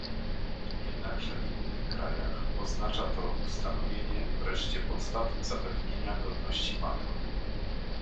Jednakże w innych krajach oznacza to ustanowienie wreszcie podstaw zapewnienia godności matkom